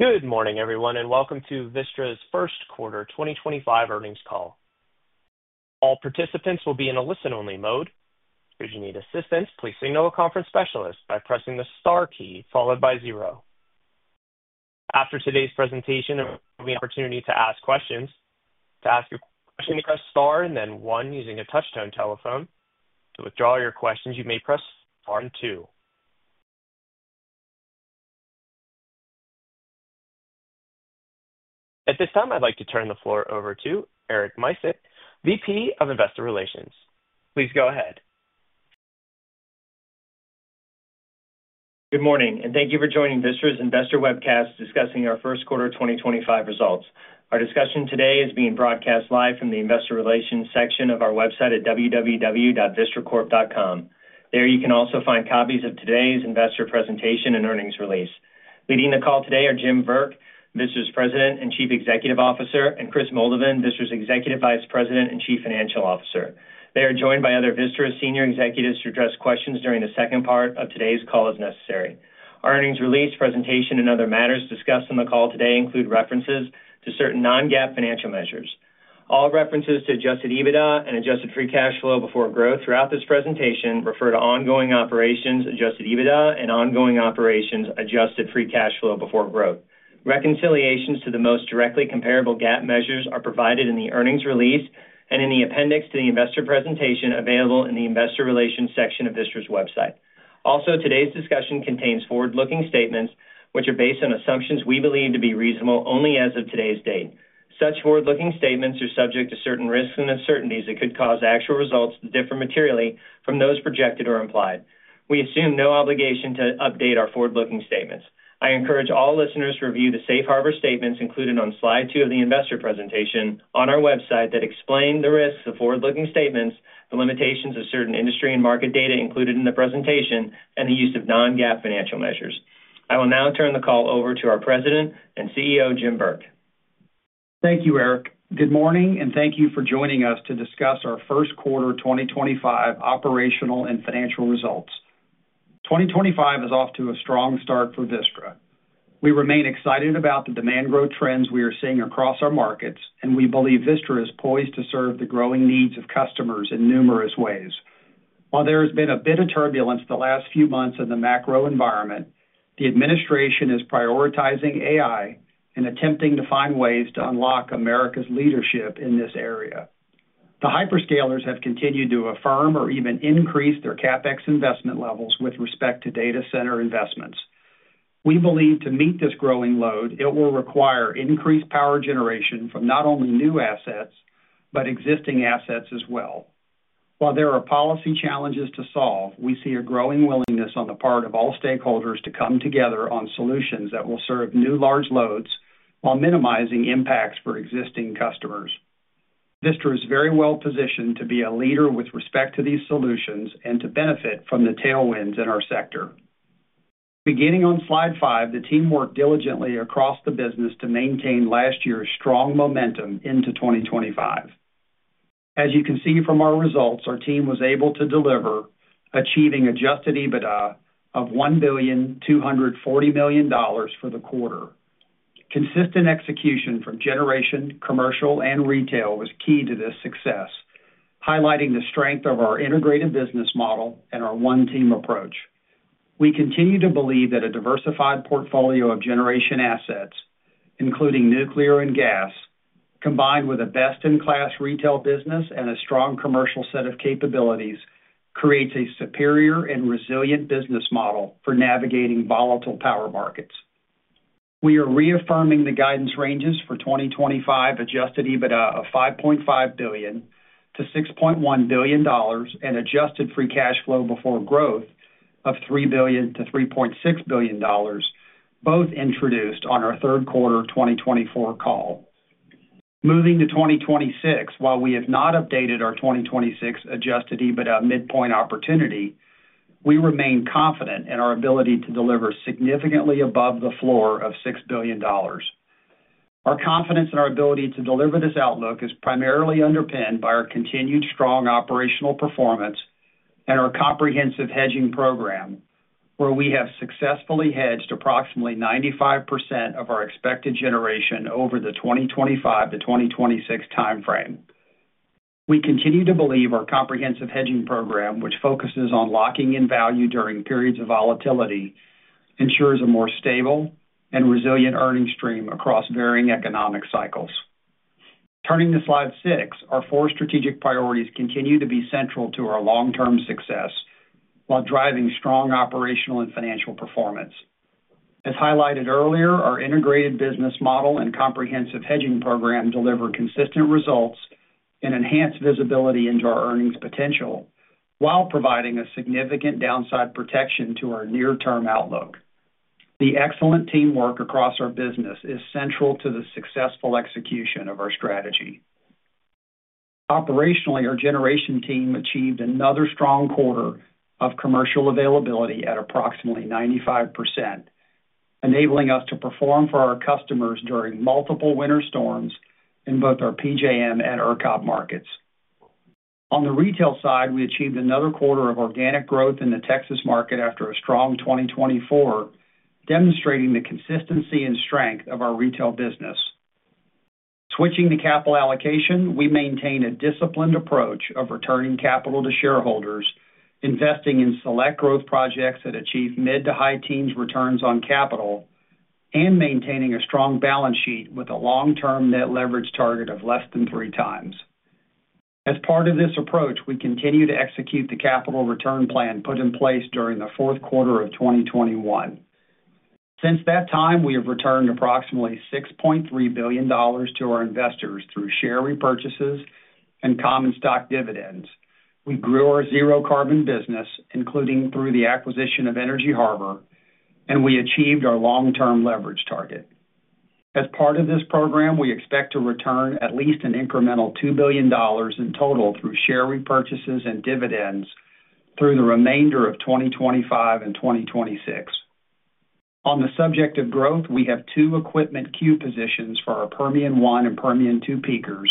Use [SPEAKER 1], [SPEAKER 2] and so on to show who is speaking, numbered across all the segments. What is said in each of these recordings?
[SPEAKER 1] Good morning, everyone, and welcome to Vistra's First Quarter 2025 Earnings Call. All participants will be in a listen-only mode. Should you need assistance, please signal a conference specialist by pressing the star key followed by zero. After today's presentation, there will be an opportunity to ask questions. To ask a question, press star and then one using a touch-tone telephone. To withdraw your questions, you may press star and two. At this time, I'd like to turn the floor over to Eric Micek, VP of Investor Relations. Please go ahead.
[SPEAKER 2] Good morning, and thank you for joining Vistra's investor webcast discussing our first quarter 2025 results. Our discussion today is being broadcast live from the investor relations section of our website at www.vistracorp.com. There you can also find copies of today's investor presentation and earnings release. Leading the call today are Jim Burke, Vistra's President and Chief Executive Officer, and Kris Moldovan, Vistra's Executive Vice President and Chief Financial Officer. They are joined by other Vistra senior executives to address questions during the second part of today's call as necessary. Our earnings release, presentation, and other matters discussed in the call today include references to certain non-GAAP financial measures. All references to adjusted EBITDA and adjusted free cash flow before growth throughout this presentation refer to ongoing operations adjusted EBITDA and ongoing operations adjusted free cash flow before growth. Reconciliations to the most directly comparable GAAP measures are provided in the earnings release and in the appendix to the investor presentation available in the investor relations section of Vistra's website. Also, today's discussion contains forward-looking statements which are based on assumptions we believe to be reasonable only as of today's date. Such forward-looking statements are subject to certain risks and uncertainties that could cause actual results to differ materially from those projected or implied. We assume no obligation to update our forward-looking statements. I encourage all listeners to review the Safe Harbor statements included on slide two of the investor presentation on our website that explain the risks of forward-looking statements, the limitations of certain industry and market data included in the presentation, and the use of non-GAAP financial measures. I will now turn the call over to our President and CEO, Jim Burke.
[SPEAKER 3] Thank you, Eric. Good morning, and thank you for joining us to discuss our first quarter 2025 operational and financial results. 2025 is off to a strong start for Vistra. We remain excited about the demand growth trends we are seeing across our markets, and we believe Vistra is poised to serve the growing needs of customers in numerous ways. While there has been a bit of turbulence the last few months in the macro environment, the administration is prioritizing AI and attempting to find ways to unlock America's leadership in this area. The hyperscalers have continued to affirm or even increase their CapEx investment levels with respect to data center investments. We believe to meet this growing load, it will require increased power generation from not only new assets but existing assets as well. While there are policy challenges to solve, we see a growing willingness on the part of all stakeholders to come together on solutions that will serve new large loads while minimizing impacts for existing customers. Vistra is very well positioned to be a leader with respect to these solutions and to benefit from the tailwinds in our sector. Beginning on slide five, the team worked diligently across the business to maintain last year's strong momentum into 2025. As you can see from our results, our team was able to deliver, achieving adjusted EBITDA of $1,240 million for the quarter. Consistent execution from generation, commercial, and retail was key to this success, highlighting the strength of our integrated business model and our one-team approach. We continue to believe that a diversified portfolio of generation assets, including nuclear and gas, combined with a best-in-class retail business and a strong commercial set of capabilities, creates a superior and resilient business model for navigating volatile power markets. We are reaffirming the guidance ranges for 2025 adjusted EBITDA of $5.5 billion-$6.1 billion and adjusted free cash flow before growth of $3 billion-$3.6 billion, both introduced on our third quarter 2024 call. Moving to 2026, while we have not updated our 2026 adjusted EBITDA midpoint opportunity, we remain confident in our ability to deliver significantly above the floor of $6 billion. Our confidence in our ability to deliver this outlook is primarily underpinned by our continued strong operational performance and our comprehensive hedging program, where we have successfully hedged approximately 95% of our expected generation over the 2025-2026 timeframe. We continue to believe our comprehensive hedging program, which focuses on locking in value during periods of volatility, ensures a more stable and resilient earnings stream across varying economic cycles. Turning to slide six, our four strategic priorities continue to be central to our long-term success while driving strong operational and financial performance. As highlighted earlier, our integrated business model and comprehensive hedging program deliver consistent results and enhance visibility into our earnings potential while providing significant downside protection to our near-term outlook. The excellent teamwork across our business is central to the successful execution of our strategy. Operationally, our generation team achieved another strong quarter of commercial availability at approximately 95%, enabling us to perform for our customers during multiple winter storms in both our PJM and ERCOT markets. On the retail side, we achieved another quarter of organic growth in the Texas market after a strong 2024, demonstrating the consistency and strength of our retail business. Switching to capital allocation, we maintain a disciplined approach of returning capital to shareholders, investing in select growth projects that achieve mid to high teens returns on capital, and maintaining a strong balance sheet with a long-term net leverage target of less than three times. As part of this approach, we continue to execute the capital return plan put in place during the fourth quarter of 2021. Since that time, we have returned approximately $6.3 billion to our investors through share repurchases and common stock dividends. We grew our zero-carbon business, including through the acquisition of Energy Harbor, and we achieved our long-term leverage target. As part of this program, we expect to return at least an incremental $2 billion in total through share repurchases and dividends through the remainder of 2025 and 2026. On the subject of growth, we have two equipment queue positions for our Permian 1 and Permian 2 peakers,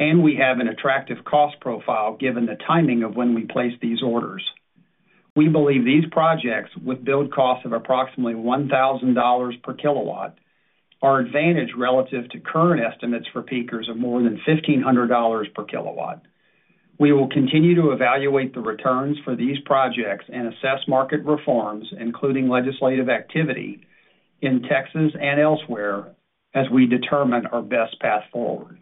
[SPEAKER 3] and we have an attractive cost profile given the timing of when we place these orders. We believe these projects, with build costs of approximately $1,000 per kW, are advantaged relative to current estimates for peakers of more than $1,500 per kW. We will continue to evaluate the returns for these projects and assess market reforms, including legislative activity in Texas and elsewhere, as we determine our best path forward.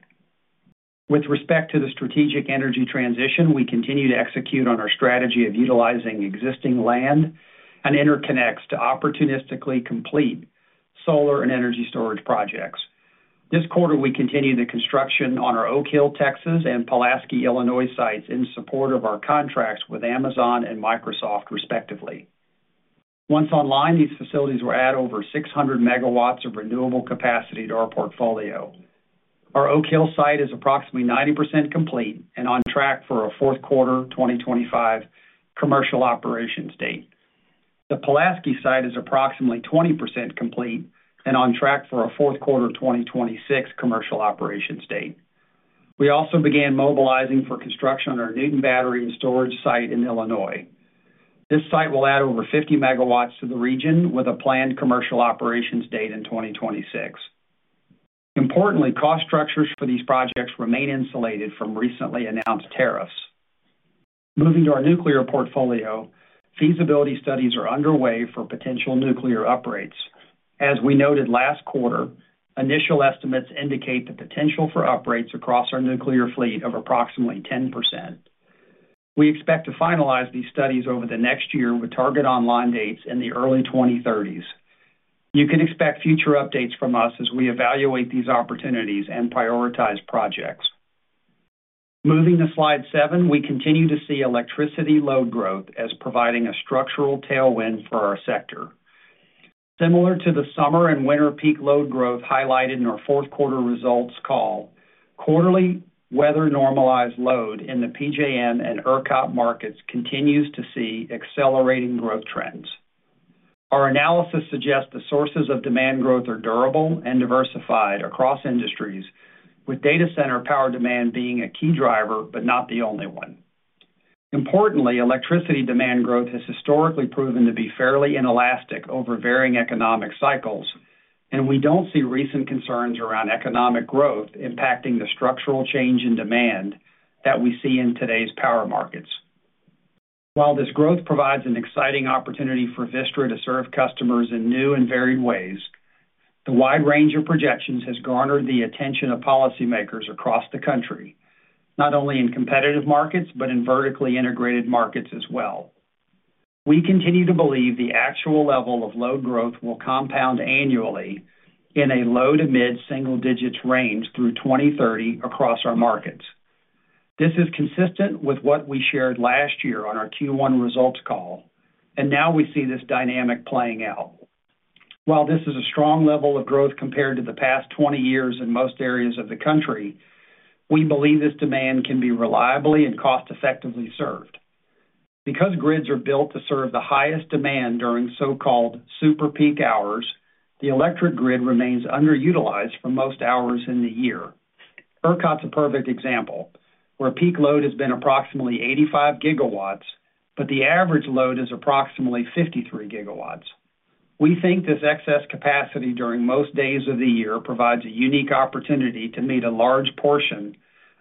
[SPEAKER 3] With respect to the strategic energy transition, we continue to execute on our strategy of utilizing existing land and interconnects to opportunistically complete solar and energy storage projects. This quarter, we continue the construction on our Oak Hill, Texas, and Pulaski, Illinois sites in support of our contracts with Amazon and Microsoft, respectively. Once online, these facilities will add over 600 MW of renewable capacity to our portfolio. Our Oak Hill site is approximately 90% complete and on track for a fourth quarter 2025 commercial operations date. The Pulaski site is approximately 20% complete and on track for a fourth quarter 2026 commercial operations date. We also began mobilizing for construction on our Newton Battery and Storage site in Illinois. This site will add over 50 MW to the region with a planned commercial operations date in 2026. Importantly, cost structures for these projects remain insulated from recently announced tariffs. Moving to our nuclear portfolio, feasibility studies are underway for potential nuclear uprates. As we noted last quarter, initial estimates indicate the potential for uprates across our nuclear fleet of approximately 10%. We expect to finalize these studies over the next year with target online dates in the early 2030s. You can expect future updates from us as we evaluate these opportunities and prioritize projects. Moving to slide seven, we continue to see electricity load growth as providing a structural tailwind for our sector. Similar to the summer and winter peak load growth highlighted in our fourth quarter results call, quarterly weather normalized load in the PJM and ERCOT markets continues to see accelerating growth trends. Our analysis suggests the sources of demand growth are durable and diversified across industries, with data center power demand being a key driver but not the only one. Importantly, electricity demand growth has historically proven to be fairly inelastic over varying economic cycles, and we don't see recent concerns around economic growth impacting the structural change in demand that we see in today's power markets. While this growth provides an exciting opportunity for Vistra to serve customers in new and varied ways, the wide range of projections has garnered the attention of policymakers across the country, not only in competitive markets but in vertically integrated markets as well. We continue to believe the actual level of load growth will compound annually in a low to mid-single digits range through 2030 across our markets. This is consistent with what we shared last year on our Q1 results call, and now we see this dynamic playing out. While this is a strong level of growth compared to the past 20 years in most areas of the country, we believe this demand can be reliably and cost-effectively served. Because grids are built to serve the highest demand during so-called super peak hours, the electric grid remains underutilized for most hours in the year. ERCOT's a perfect example, where peak load has been approximately 85 GW, but the average load is approximately 53 GW. We think this excess capacity during most days of the year provides a unique opportunity to meet a large portion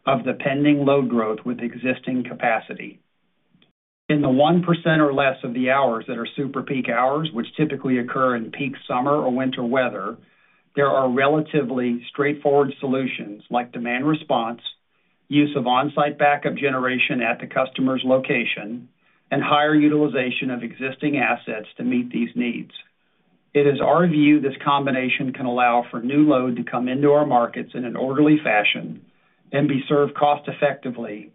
[SPEAKER 3] of the pending load growth with existing capacity. In the 1% or less of the hours that are super peak hours, which typically occur in peak summer or winter weather, there are relatively straightforward solutions like demand response, use of on-site backup generation at the customer's location, and higher utilization of existing assets to meet these needs. It is our view this combination can allow for new load to come into our markets in an orderly fashion and be served cost-effectively.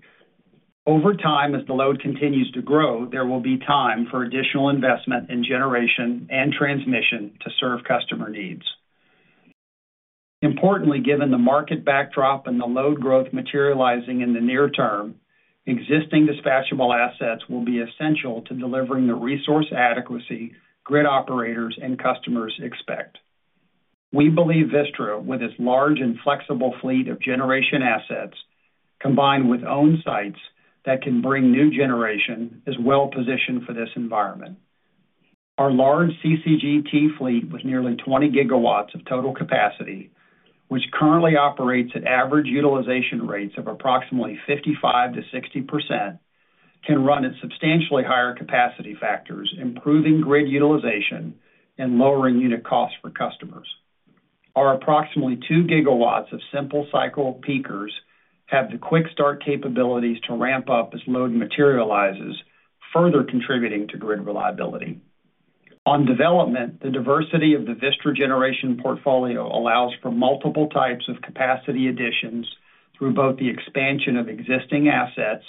[SPEAKER 3] Over time, as the load continues to grow, there will be time for additional investment in generation and transmission to serve customer needs. Importantly, given the market backdrop and the load growth materializing in the near term, existing dispatchable assets will be essential to delivering the resource adequacy grid operators and customers expect. We believe Vistra, with its large and flexible fleet of generation assets, combined with own sites that can bring new generation, is well positioned for this environment. Our large CCGT fleet with nearly 20 GW of total capacity, which currently operates at average utilization rates of approximately 55%-60%, can run at substantially higher capacity factors, improving grid utilization and lowering unit costs for customers. Our approximately 2 GW of simple cycle peakers have the quick start capabilities to ramp up as load materializes, further contributing to grid reliability. On development, the diversity of the Vistra generation portfolio allows for multiple types of capacity additions through both the expansion of existing assets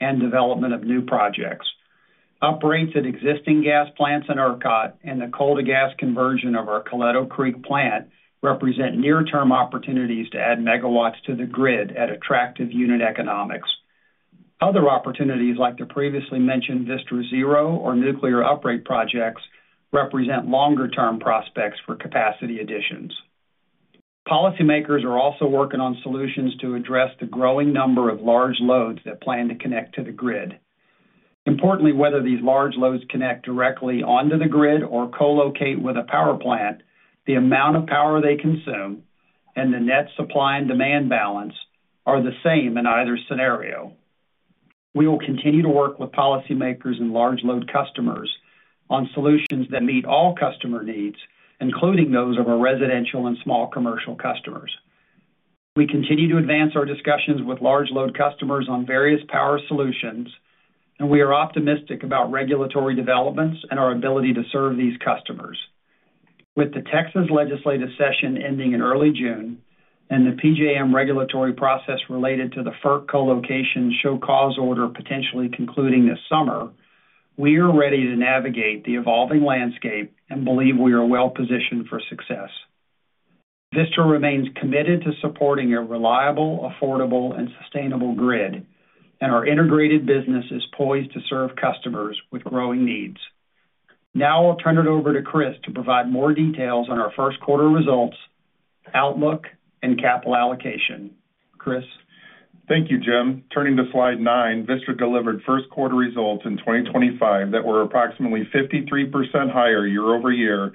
[SPEAKER 3] and development of new projects. Uprates at existing gas plants in ERCOT and the coal-to-gas conversion of our Coleto Creek plant represent near-term opportunities to add megawatts to the grid at attractive unit economics. Other opportunities, like the previously mentioned Vistra Zero or nuclear uprate projects, represent longer-term prospects for capacity additions. Policymakers are also working on solutions to address the growing number of large loads that plan to connect to the grid. Importantly, whether these large loads connect directly onto the grid or co-locate with a power plant, the amount of power they consume and the net supply and demand balance are the same in either scenario. We will continue to work with policymakers and large load customers on solutions that meet all customer needs, including those of our residential and small commercial customers. We continue to advance our discussions with large load customers on various power solutions, and we are optimistic about regulatory developments and our ability to serve these customers. With the Texas legislative session ending in early June and the PJM regulatory process related to the FERC co-location show cause order potentially concluding this summer, we are ready to navigate the evolving landscape and believe we are well positioned for success. Vistra remains committed to supporting a reliable, affordable, and sustainable grid, and our integrated business is poised to serve customers with growing needs. Now I'll turn it over to Kris to provide more details on our first quarter results, outlook, and capital allocation. Kris.
[SPEAKER 4] Thank you, Jim. Turning to slide nine, Vistra delivered first quarter results in 2025 that were approximately 53% higher year-over-year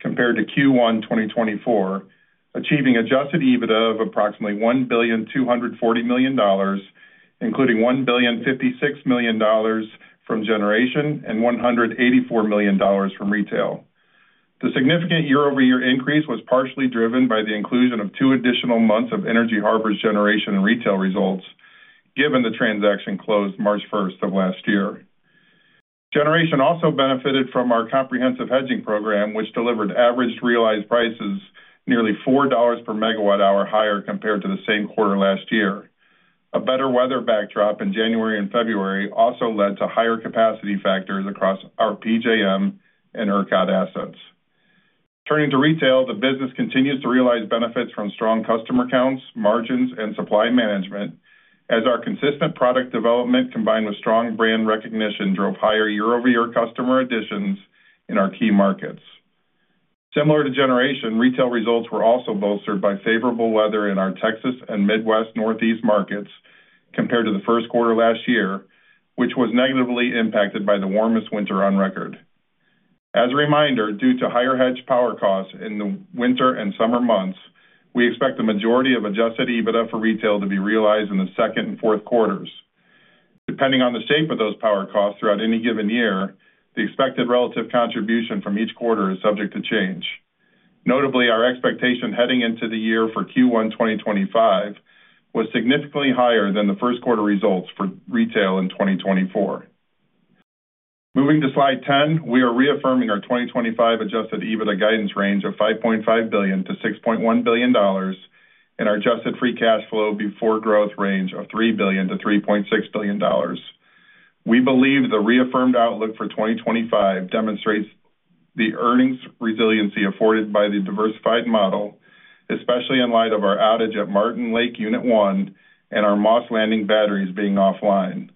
[SPEAKER 4] compared to Q1 2024, achieving adjusted EBITDA of approximately $1,240 million, including $1,056 million from generation and $184 million from retail. The significant year-over-year increase was partially driven by the inclusion of two additional months of Energy Harbor's generation and retail results, given the transaction closed March 1st of last year. Generation also benefited from our comprehensive hedging program, which delivered average realized prices nearly $4 per MW hour higher compared to the same quarter last year. A better weather backdrop in January and February also led to higher capacity factors across our PJM and ERCOT assets. Turning to retail, the business continues to realize benefits from strong customer counts, margins, and supply management, as our consistent product development combined with strong brand recognition drove higher year-over-year customer additions in our key markets. Similar to generation, retail results were also bolstered by favorable weather in our Texas and Midwest Northeast markets compared to the first quarter last year, which was negatively impacted by the warmest winter on record. As a reminder, due to higher hedged power costs in the winter and summer months, we expect the majority of adjusted EBITDA for retail to be realized in the second and fourth quarters. Depending on the shape of those power costs throughout any given year, the expected relative contribution from each quarter is subject to change. Notably, our expectation heading into the year for Q1 2025 was significantly higher than the first quarter results for retail in 2024. Moving to slide 10, we are reaffirming our 2025 adjusted EBITDA guidance range of $5.5 billion-$6.1 billion and our adjusted free cash flow before growth range of $3 billion-$3.6 billion. We believe the reaffirmed outlook for 2025 demonstrates the earnings resiliency afforded by the diversified model, especially in light of our outage at Martin Lake Unit 1 and our Moss Landing batteries being offline.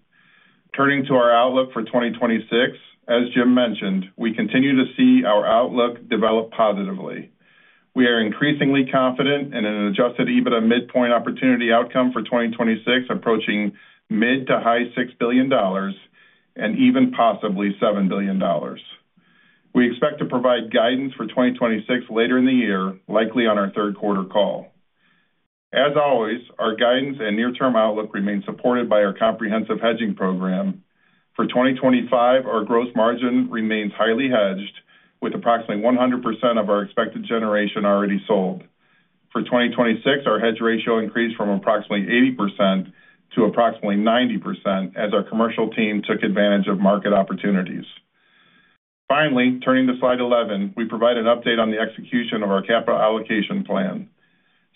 [SPEAKER 4] Turning to our outlook for 2026, as Jim mentioned, we continue to see our outlook develop positively. We are increasingly confident in an adjusted EBITDA midpoint opportunity outcome for 2026 approaching mid to high $6 billion and even possibly $7 billion. We expect to provide guidance for 2026 later in the year, likely on our third quarter call. As always, our guidance and near-term outlook remain supported by our comprehensive hedging program. For 2025, our gross margin remains highly hedged, with approximately 100% of our expected generation already sold. For 2026, our hedge ratio increased from approximately 80% to approximately 90% as our commercial team took advantage of market opportunities. Finally, turning to slide 11, we provide an update on the execution of our capital allocation plan.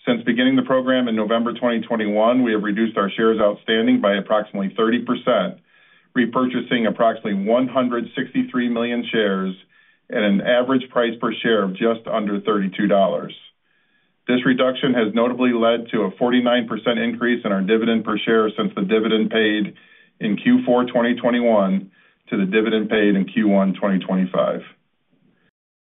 [SPEAKER 4] Since beginning the program in November 2021, we have reduced our shares outstanding by approximately 30%, repurchasing approximately 163 million shares at an average price per share of just under $32. This reduction has notably led to a 49% increase in our dividend per share since the dividend paid in Q4 2021 to the dividend paid in Q1 2025.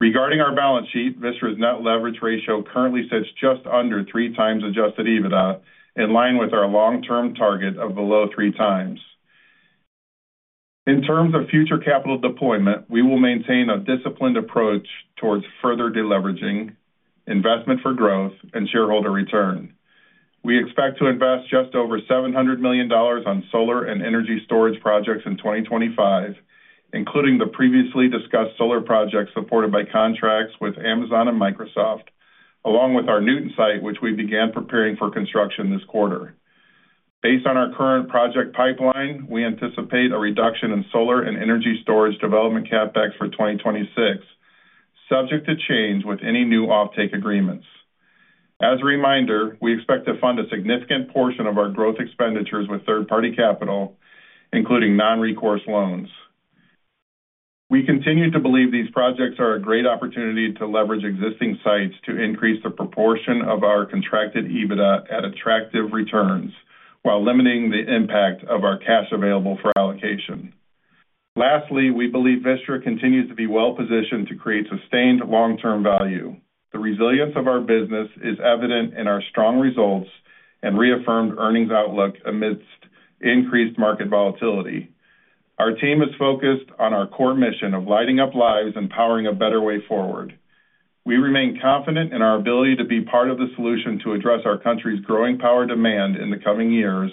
[SPEAKER 4] Regarding our balance sheet, Vistra's net leverage ratio currently sits just under three times adjusted EBITDA, in line with our long-term target of below three times. In terms of future capital deployment, we will maintain a disciplined approach towards further deleveraging, investment for growth, and shareholder return. We expect to invest just over $700 million on solar and energy storage projects in 2025, including the previously discussed solar projects supported by contracts with Amazon and Microsoft, along with our Newton site, which we began preparing for construction this quarter. Based on our current project pipeline, we anticipate a reduction in solar and energy storage development CapEx for 2026, subject to change with any new offtake agreements. As a reminder, we expect to fund a significant portion of our growth expenditures with third-party capital, including non-recourse loans. We continue to believe these projects are a great opportunity to leverage existing sites to increase the proportion of our contracted EBITDA at attractive returns while limiting the impact of our cash available for allocation. Lastly, we believe Vistra continues to be well positioned to create sustained long-term value. The resilience of our business is evident in our strong results and reaffirmed earnings outlook amidst increased market volatility. Our team is focused on our core mission of lighting up lives and powering a better way forward. We remain confident in our ability to be part of the solution to address our country's growing power demand in the coming years,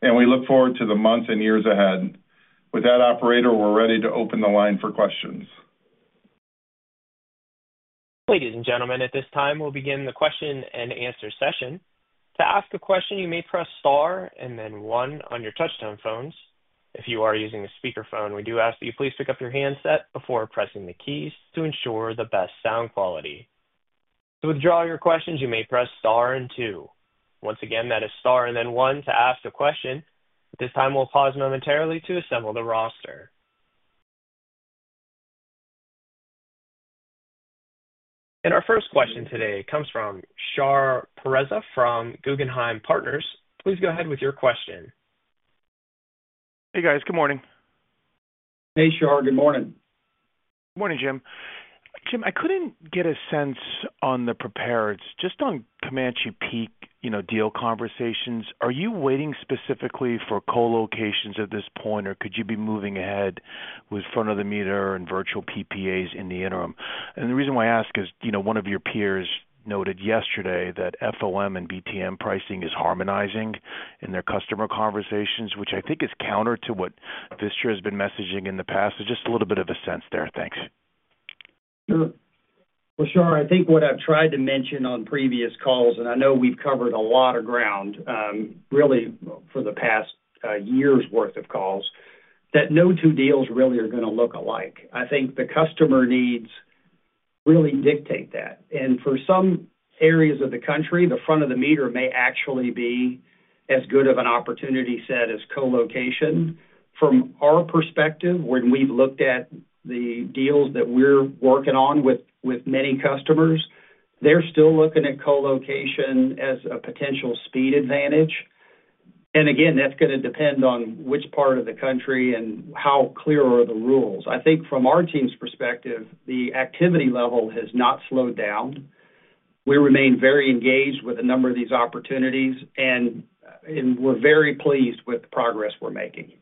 [SPEAKER 4] and we look forward to the months and years ahead. With that, Operator, we're ready to open the line for questions.
[SPEAKER 1] Ladies and gentlemen, at this time, we'll begin the Q&A session. To ask a question, you may press star and then one on your touch-tone phones. If you are using a speakerphone, we do ask that you please pick up your handset before pressing the keys to ensure the best sound quality. To withdraw your questions, you may press star and two. Once again, that is star and then one to ask a question. At this time, we'll pause momentarily to assemble the roster. Our first question today comes from Shahriar Pourreza from Guggenheim Partners. Please go ahead with your question.
[SPEAKER 5] Hey, guys. Good morning.
[SPEAKER 3] Hey, Shar. Good morning.
[SPEAKER 5] Good morning, Jim. Jim, I could not get a sense on the prepareds. Just on Comanche Peak deal conversations, are you waiting specifically for co-locations at this point, or could you be moving ahead with front-of-the-meter and virtual PPAs in the interim? The reason why I ask is one of your peers noted yesterday that FOM and BTM pricing is harmonizing in their customer conversations, which I think is counter to what Vistra has been messaging in the past. Just a little bit of a sense there. Thanks.
[SPEAKER 3] Sure. Shar, I think what I have tried to mention on previous calls, and I know we have covered a lot of ground really for the past year's worth of calls, that no two deals really are going to look alike. I think the customer needs really dictate that. For some areas of the country, the front-of-the-meter may actually be as good of an opportunity set as co-location. From our perspective, when we've looked at the deals that we're working on with many customers, they're still looking at co-location as a potential speed advantage. Again, that's going to depend on which part of the country and how clear are the rules. I think from our team's perspective, the activity level has not slowed down. We remain very engaged with a number of these opportunities, and we're very pleased with the progress we're making.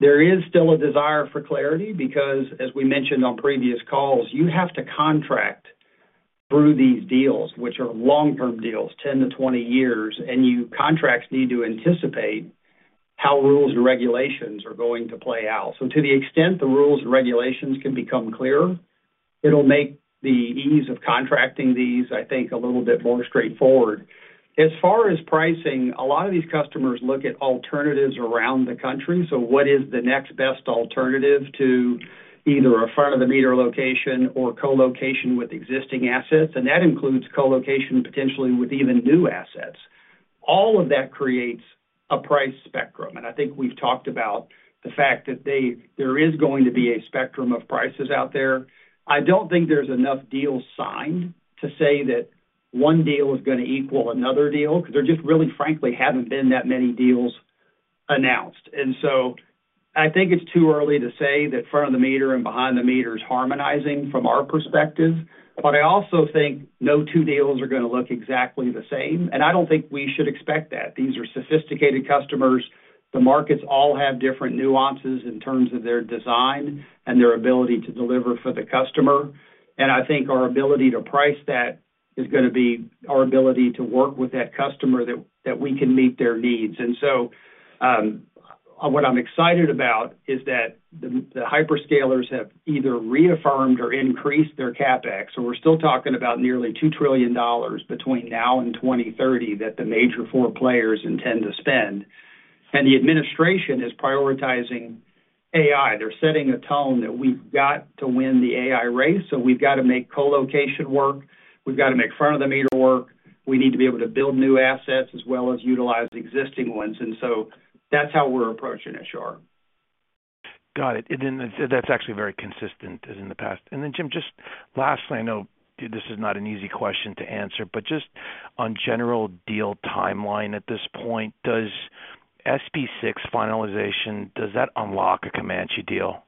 [SPEAKER 3] There is still a desire for clarity because, as we mentioned on previous calls, you have to contract through these deals, which are long-term deals, 10 years-20 years, and your contracts need to anticipate how rules and regulations are going to play out. To the extent the rules and regulations can become clearer, it'll make the ease of contracting these, I think, a little bit more straightforward. As far as pricing, a lot of these customers look at alternatives around the country. What is the next best alternative to either a front-of-the-meter location or co-location with existing assets? That includes co-location potentially with even new assets. All of that creates a price spectrum. I think we've talked about the fact that there is going to be a spectrum of prices out there. I don't think there's enough deals signed to say that one deal is going to equal another deal because there just really, frankly, haven't been that many deals announced. I think it's too early to say that front-of-the-meter and behind-the-meter is harmonizing from our perspective. I also think no two deals are going to look exactly the same. I do not think we should expect that. These are sophisticated customers. The markets all have different nuances in terms of their design and their ability to deliver for the customer. I think our ability to price that is going to be our ability to work with that customer that we can meet their needs. What I am excited about is that the hyperscalers have either reaffirmed or increased their CapEx. We are still talking about nearly $2 trillion between now and 2030 that the major four players intend to spend. The administration is prioritizing AI. They are setting a tone that we have got to win the AI race. We have got to make co-location work. We have got to make front-of-the-meter work. We need to be able to build new assets as well as utilize existing ones. That is how we are approaching it, Shar.
[SPEAKER 5] Got it. That is actually very consistent in the past. Jim, just lastly, I know this is not an easy question to answer, but just on general deal timeline at this point, does SB 6 finalization, does that unlock a Comanche deal?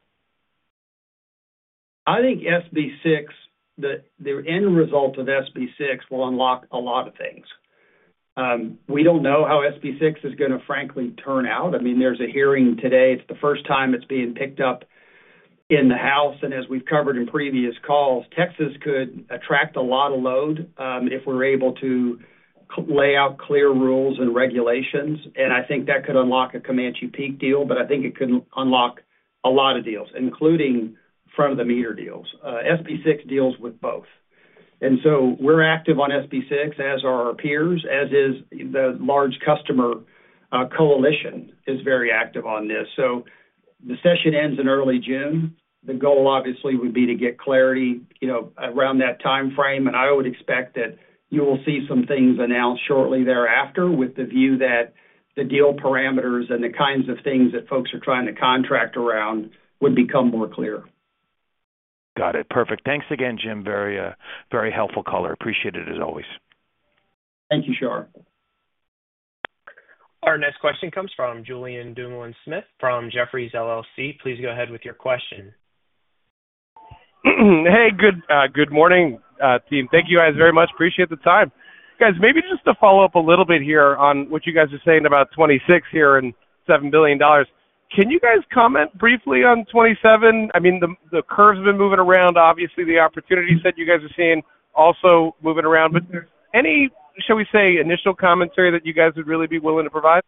[SPEAKER 3] I think SB 6, the end result of SB 6 will unlock a lot of things. We do not know how SB 6 is going to, frankly, turn out. I mean, there is a hearing today. It is the first time it is being picked up in the house. As we have covered in previous calls, Texas could attract a lot of load if we are able to lay out clear rules and regulations. I think that could unlock a Comanche Peak deal, but I think it could unlock a lot of deals, including front-of-the-meter deals. SB 6 deals with both. We are active on SB 6, as are our peers, as is the large customer coalition, which is very active on this. The session ends in early June. The goal, obviously, would be to get clarity around that timeframe. I would expect that you will see some things announced shortly thereafter with the view that the deal parameters and the kinds of things that folks are trying to contract around would become more clear.
[SPEAKER 5] Got it. Perfect. Thanks again, Jim. Very, very helpful color. Appreciate it as always.
[SPEAKER 3] Thank you, Shar.
[SPEAKER 1] Our next question comes from Julien Dumoulin-Smith from Jefferies LLC. Please go ahead with your question.
[SPEAKER 6] Hey, good morning, team. Thank you guys very much. Appreciate the time. Guys, maybe just to follow up a little bit here on what you guys are saying about 2026 here and $7 billion. Can you guys comment briefly on 2027? I mean, the curve's been moving around. Obviously, the opportunity set you guys are seeing also moving around. But any, shall we say, initial commentary that you guys would really be willing to provide?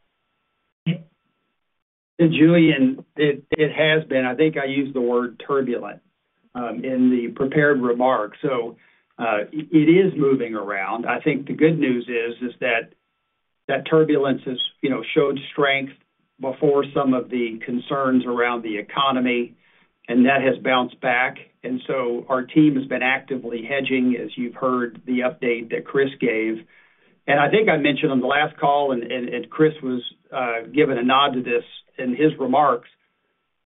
[SPEAKER 3] Julien, it has been. I think I used the word turbulent in the prepared remark. It is moving around. I think the good news is that that turbulence has showed strength before some of the concerns around the economy, and that has bounced back. Our team has been actively hedging, as you've heard the update that Kris gave. I think I mentioned on the last call, and Kris was giving a nod to this in his remarks,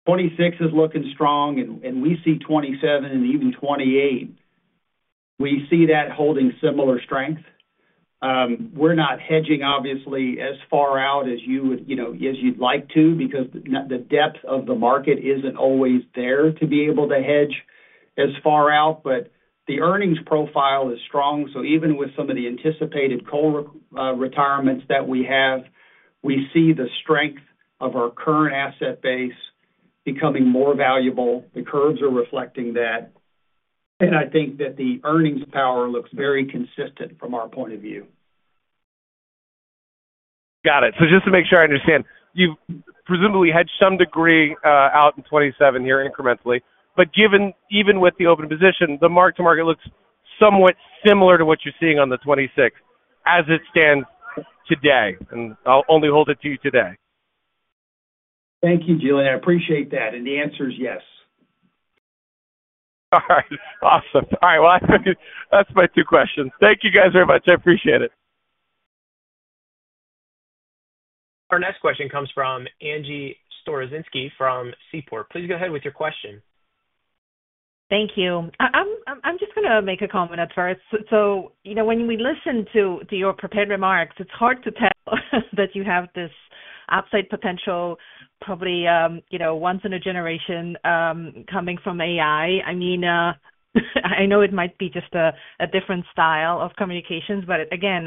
[SPEAKER 3] 2026 is looking strong, and we see 2027 and even 2028. We see that holding similar strength. We're not hedging, obviously, as far out as you'd like to because the depth of the market isn't always there to be able to hedge as far out. The earnings profile is strong. Even with some of the anticipated coal retirements that we have, we see the strength of our current asset base becoming more valuable. The curves are reflecting that. I think that the earnings power looks very consistent from our point of view.
[SPEAKER 6] Got it. Just to make sure I understand, you've presumably hedged some degree out in 2027 here incrementally. Even with the open position, the mark-to-market looks somewhat similar to what you're seeing on the 2026 as it stands today. I'll only hold it to you today.
[SPEAKER 3] Thank you, Julien. I appreciate that. The answer is yes.
[SPEAKER 6] All right. Awesome. All right. That's my two questions. Thank you guys very much. I appreciate it.
[SPEAKER 1] Our next question comes from Angie Storozynski from Seaport. Please go ahead with your question.
[SPEAKER 7] Thank you. I'm just going to make a comment. When we listen to your prepared remarks, it's hard to tell that you have this upside potential, probably once in a generation, coming from AI. I mean, I know it might be just a different style of communications, but again,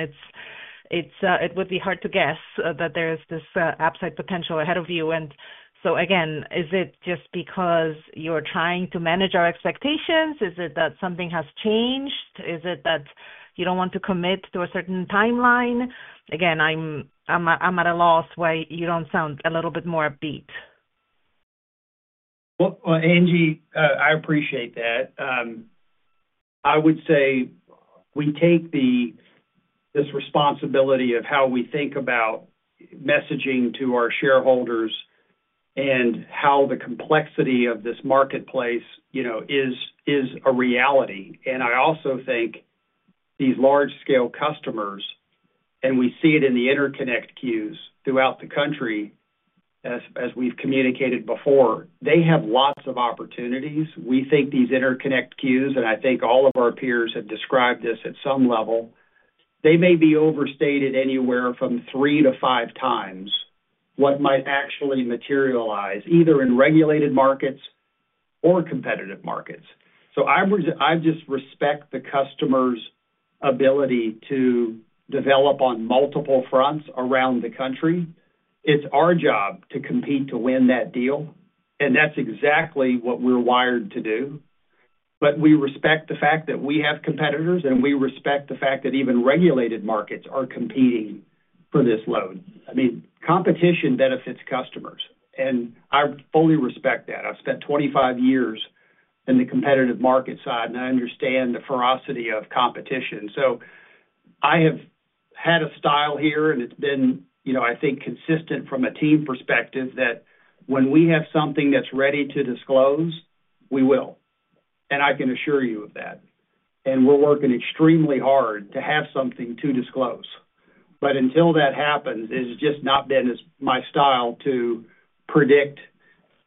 [SPEAKER 7] it would be hard to guess that there's this upside potential ahead of you. Is it just because you're trying to manage our expectations? Is it that something has changed? Is it that you don't want to commit to a certain timeline? Again, I'm at a loss why you don't sound a little bit more upbeat.
[SPEAKER 3] Angie, I appreciate that. I would say we take this responsibility of how we think about messaging to our shareholders and how the complexity of this marketplace is a reality. I also think these large-scale customers, and we see it in the interconnect queues throughout the country, as we've communicated before, they have lots of opportunities. We think these interconnect queues, and I think all of our peers have described this at some level, may be overstated anywhere from three to five times what might actually materialize either in regulated markets or competitive markets. I just respect the customer's ability to develop on multiple fronts around the country. It's our job to compete to win that deal. That's exactly what we're wired to do. We respect the fact that we have competitors, and we respect the fact that even regulated markets are competing for this load. I mean, competition benefits customers. I fully respect that. I've spent 25 years in the competitive market side, and I understand the ferocity of competition. I have had a style here, and it's been, I think, consistent from a team perspective that when we have something that's ready to disclose, we will. I can assure you of that. We're working extremely hard to have something to disclose. Until that happens, it's just not been my style to predict,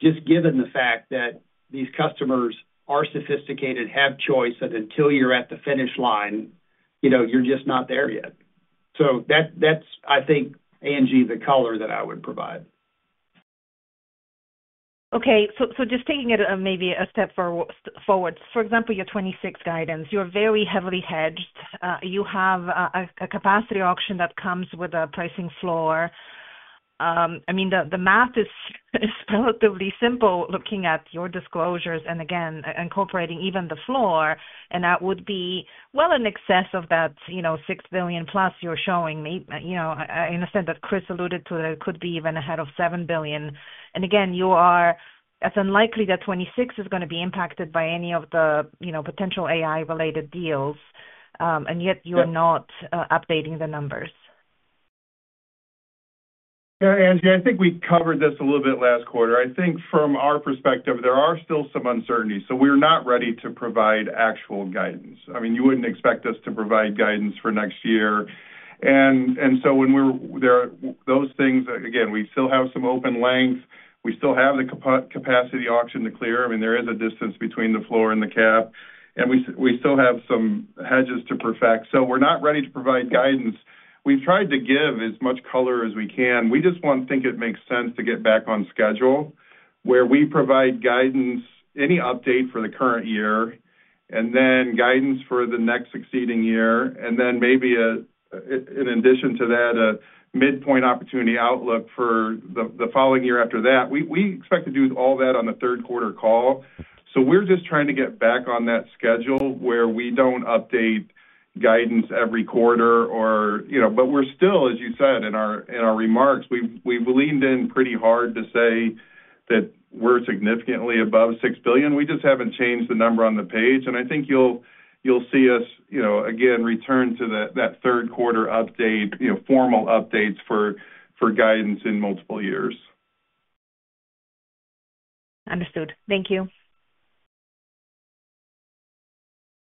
[SPEAKER 3] just given the fact that these customers are sophisticated, have choice, that until you're at the finish line, you're just not there yet. That's, I think, Angie, the color that I would provide.
[SPEAKER 7] Okay. Just taking it maybe a step forward, for example, your 2026 guidance, you're very heavily hedged. You have a capacity auction that comes with a pricing floor. I mean, the math is relatively simple looking at your disclosures and, again, incorporating even the floor. That would be well in excess of that $6+ billion you're showing me. I understand that Kris alluded to that it could be even ahead of $7 billion. Again, it's unlikely that 2026 is going to be impacted by any of the potential AI-related deals. Yet you are not updating the numbers.
[SPEAKER 4] Yeah, Angie, I think we covered this a little bit last quarter. I think from our perspective, there are still some uncertainties. So we're not ready to provide actual guidance. I mean, you wouldn't expect us to provide guidance for next year. When we're those things, again, we still have some open length. We still have the capacity auction to clear. I mean, there is a distance between the floor and the cap. We still have some hedges to perfect. We're not ready to provide guidance. We've tried to give as much color as we can. We just want to think it makes sense to get back on schedule where we provide guidance, any update for the current year, and then guidance for the next succeeding year. Maybe in addition to that, a midpoint opportunity outlook for the following year after that. We expect to do all that on the third quarter call. We are just trying to get back on that schedule where we do not update guidance every quarter. We are still, as you said, in our remarks, we have leaned in pretty hard to say that we are significantly above $6 billion. We just have not changed the number on the page. I think you will see us, again, return to that third quarter update, formal updates for guidance in multiple years.
[SPEAKER 7] Understood. Thank you.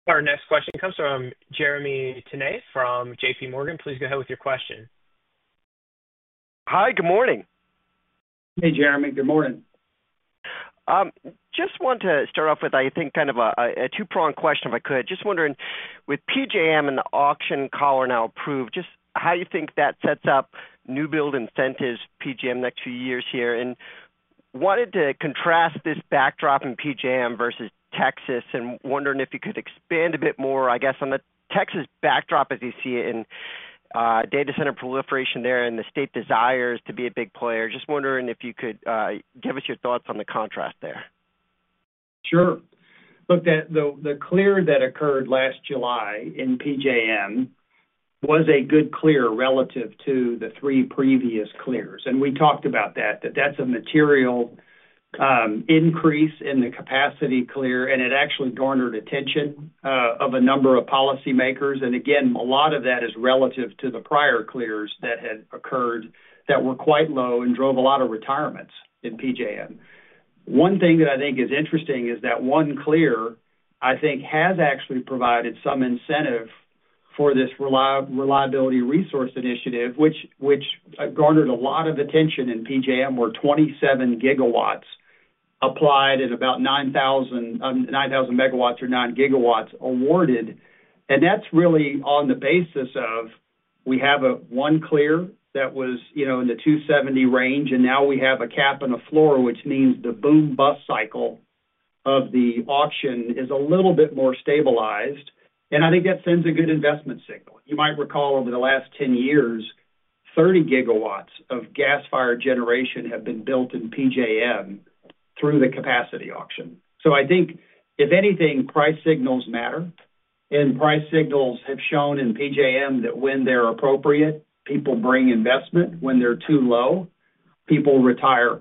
[SPEAKER 1] Our next question comes from Jeremy Tonet from JPMorgan. Please go ahead with your question.
[SPEAKER 8] Hi, good morning. Hey, Jeremy. Good morning. Just want to start off with, I think, kind of a two-pronged question if I could. Just wondering, with PJM and the auction collar now approved, just how you think that sets up new build incentives PJM next few years here. Wanted to contrast this backdrop in PJM versus Texas and wondering if you could expand a bit more, I guess, on the Texas backdrop as you see it in data center proliferation there and the state desires to be a big player. Just wondering if you could give us your thoughts on the contrast there.
[SPEAKER 3] Sure. Look, the clear that occurred last July in PJM was a good clear relative to the three previous clears. We talked about that, that that's a material increase in the capacity clear. It actually garnered attention of a number of policymakers. Again, a lot of that is relative to the prior clears that had occurred that were quite low and drove a lot of retirements in PJM. One thing that I think is interesting is that one clear, I think, has actually provided some incentive for this reliability resource initiative, which garnered a lot of attention in PJM where 27 GW applied and about 9,000 MW or 9 GW awarded. That is really on the basis of we have one clear that was in the 270 range, and now we have a cap and a floor, which means the boom-bust cycle of the auction is a little bit more stabilized. I think that sends a good investment signal. You might recall over the last 10 years, 30 GW of gas fired generation have been built in PJM through the capacity auction. I think, if anything, price signals matter. Price signals have shown in PJM that when they are appropriate, people bring investment. When they are too low, people retire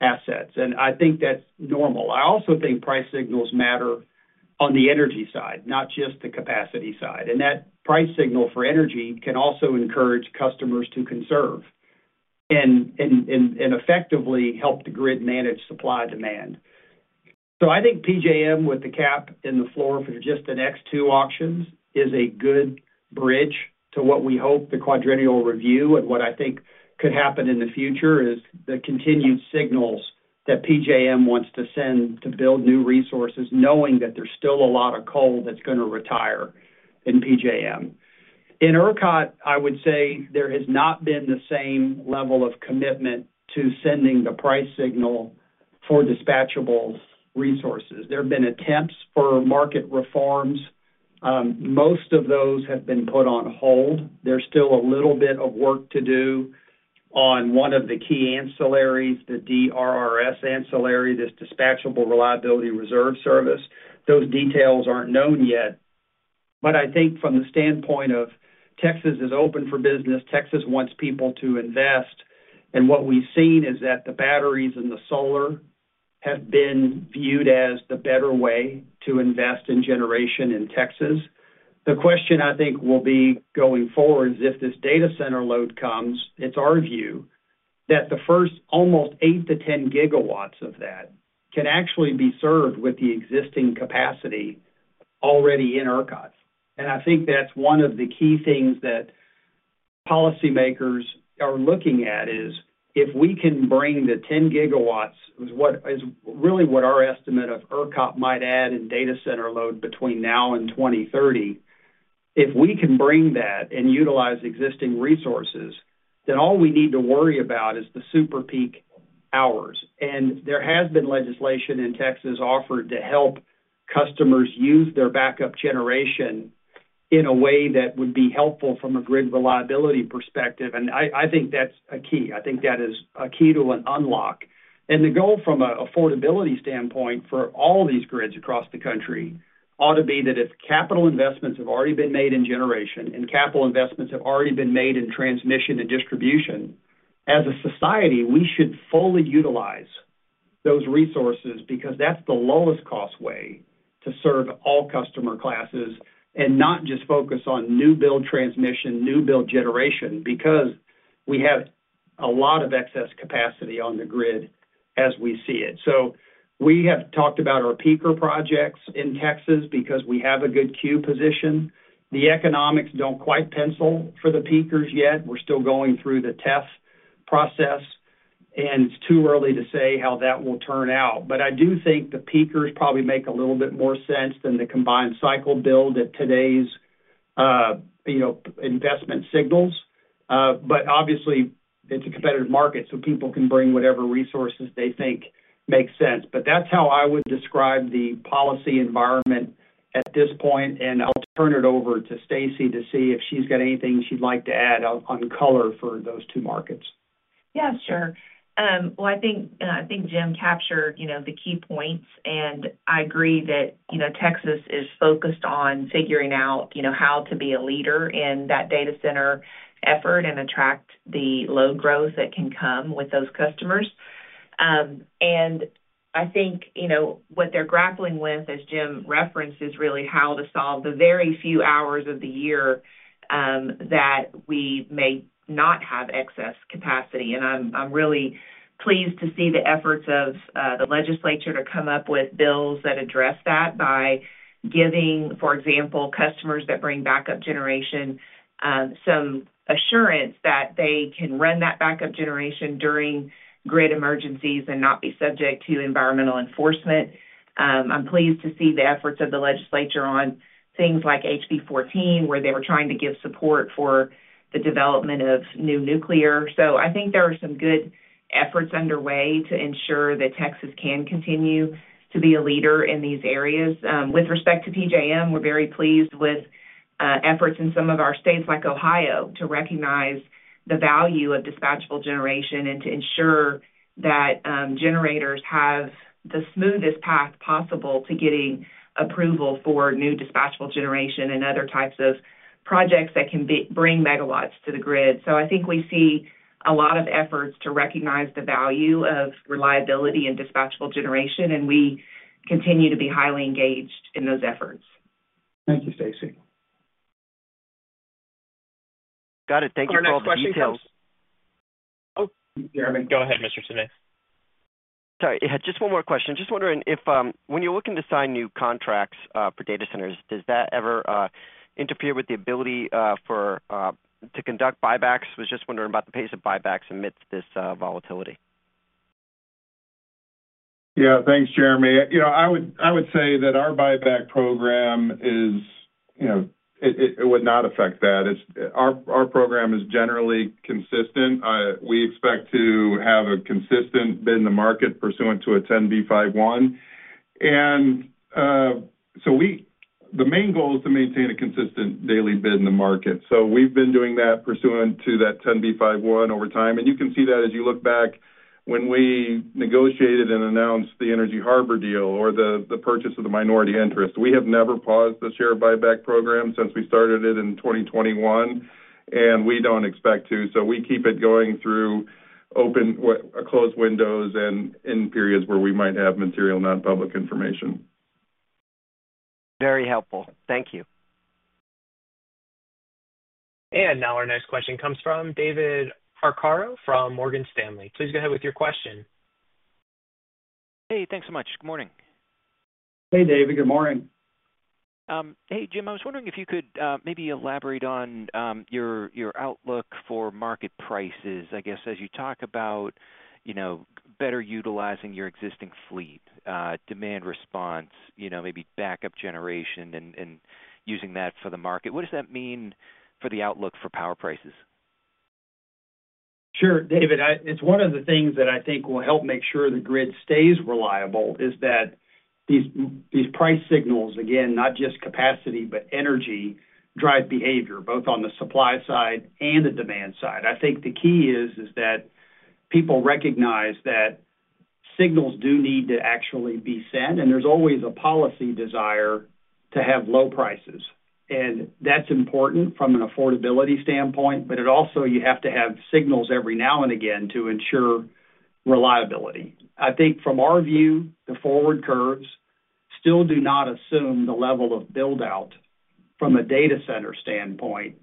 [SPEAKER 3] assets. I think that is normal. I also think price signals matter on the energy side, not just the capacity side. That price signal for energy can also encourage customers to conserve and effectively help the grid manage supply demand. I think PJM with the cap and the floor for just the next two auctions is a good bridge to what we hope the quadrennial review and what I think could happen in the future is the continued signals that PJM wants to send to build new resources, knowing that there is still a lot of coal that is going to retire in PJM. In ERCOT, I would say there has not been the same level of commitment to sending the price signal for dispatchable resources. There have been attempts for market reforms. Most of those have been put on hold. There's still a little bit of work to do on one of the key ancillaries, the DRRS ancillary, this dispatchable reliability reserve service. Those details aren't known yet. I think from the standpoint of Texas is open for business, Texas wants people to invest. What we've seen is that the batteries and the solar have been viewed as the better way to invest in generation in Texas. The question, I think, will be going forward is if this data center load comes, it's our view that the first almost 8 GW-10 GW of that can actually be served with the existing capacity already in ERCOT. I think that's one of the key things that policymakers are looking at is if we can bring the 10 GW, which is really what our estimate of ERCOT might add in data center load between now and 2030. If we can bring that and utilize existing resources, then all we need to worry about is the super peak hours. There has been legislation in Texas offered to help customers use their backup generation in a way that would be helpful from a grid reliability perspective. I think that's a key. I think that is a key to an unlock. The goal from an affordability standpoint for all these grids across the country ought to be that if capital investments have already been made in generation and capital investments have already been made in transmission and distribution, as a society, we should fully utilize those resources because that's the lowest cost way to serve all customer classes and not just focus on new build transmission, new build generation, because we have a lot of excess capacity on the grid as we see it. We have talked about our peaker projects in Texas because we have a good queue position. The economics do not quite pencil for the peakers yet. We are still going through the test process. It is too early to say how that will turn out. I do think the peakers probably make a little bit more sense than the combined cycle build at today's investment signals. Obviously, it is a competitive market, so people can bring whatever resources they think make sense. That is how I would describe the policy environment at this point. I will turn it over to Stacey to see if she has anything she would like to add on color for those two markets.
[SPEAKER 9] Yeah, sure. I think Jim captured the key points. I agree that Texas is focused on figuring out how to be a leader in that data center effort and attract the load growth that can come with those customers. I think what they are grappling with, as Jim references, is really how to solve the very few hours of the year that we may not have excess capacity. I am really pleased to see the efforts of the legislature to come up with bills that address that by giving, for example, customers that bring backup generation some assurance that they can run that backup generation during grid emergencies and not be subject to environmental enforcement. I am pleased to see the efforts of the legislature on things like HB 14, where they were trying to give support for the development of new nuclear. I think there are some good efforts underway to ensure that Texas can continue to be a leader in these areas. With respect to PJM, we're very pleased with efforts in some of our states like Ohio to recognize the value of dispatchable generation and to ensure that generators have the smoothest path possible to getting approval for new dispatchable generation and other types of projects that can bring megawatts to the grid. I think we see a lot of efforts to recognize the value of reliability and dispatchable generation. We continue to be highly engaged in those efforts.
[SPEAKER 3] Thank you, Stacey.
[SPEAKER 8] Got it. Thank you for all the details.
[SPEAKER 1] Oh, Jeremy, go ahead, Mr. Tonet.
[SPEAKER 8] Sorry. Just one more question. Just wondering if when you're looking to sign new contracts for data centers, does that ever interfere with the ability to conduct buybacks? Was just wondering about the pace of buybacks amidst this volatility.
[SPEAKER 4] Yeah. Thanks, Jeremy. I would say that our buyback program is it would not affect that. Our program is generally consistent. We expect to have a consistent bid in the market pursuant to a 10b5-1. The main goal is to maintain a consistent daily bid in the market. We have been doing that pursuant to that 10b5-1 over time. You can see that as you look back when we negotiated and announced the Energy Harbor deal or the purchase of the minority interest. We have never paused the share buyback program since we started it in 2021. We do not expect to. We keep it going through open or closed windows and in periods where we might have material nonpublic information.
[SPEAKER 8] Very helpful. Thank you.
[SPEAKER 1] Our next question comes from David Arcaro from Morgan Stanley. Please go ahead with your question.
[SPEAKER 10] Hey, thanks so much. Good morning.
[SPEAKER 3] Hey, David. Good morning.
[SPEAKER 10] Hey, Jim. I was wondering if you could maybe elaborate on your outlook for market prices, I guess, as you talk about better utilizing your existing fleet, demand response, maybe backup generation, and using that for the market. What does that mean for the outlook for power prices?
[SPEAKER 3] Sure, David. It's one of the things that I think will help make sure the grid stays reliable is that these price signals, again, not just capacity, but energy, drive behavior both on the supply side and the demand side. I think the key is that people recognize that signals do need to actually be sent. There's always a policy desire to have low prices. That's important from an affordability standpoint. You have to have signals every now and again to ensure reliability. I think from our view, the forward curves still do not assume the level of buildout from a data center standpoint